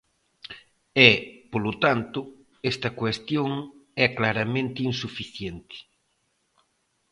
E, polo tanto, esta cuestión é claramente insuficiente.